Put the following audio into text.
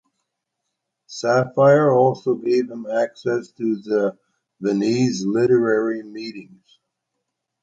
Saphir also gave him access to the Viennese literary meetings.